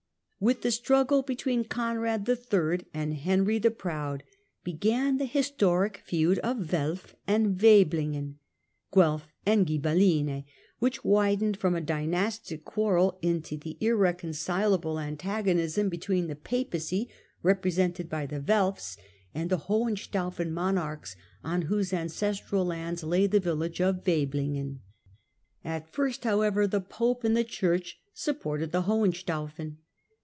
With the struggle between Conrad III. and Henry the Proud began the historic feud of Welf and Waiblingen, " Guelf and Ghibeline," which widened from a dynastic quarrel into the irreconcilable antagonism 126 THE CENTRAL PERIOD OF THE MIDDLE AGE between the Papacy, represented by the Welfs, and the Hohenstaufen monarchs, on whose ancestral lands lay the village of Waiblingen. At first, however, the Pope and the Church supported the Hohenstaufen.